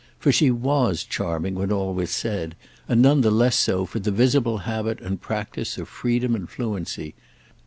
For she was charming, when all was said—and none the less so for the visible habit and practice of freedom and fluency.